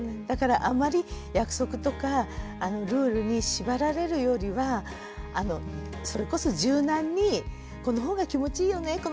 だからあんまり約束とかルールに縛られるよりはそれこそ柔軟にこの方が気持ちいいよね